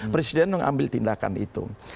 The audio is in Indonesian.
presiden yang ambil tindakan itu